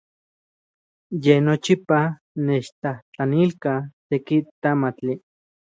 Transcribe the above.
Ye nochipa nechtlajtlanilka seki tamali.